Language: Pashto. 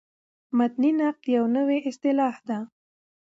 متني نقد یوه نوې اصطلاح ده.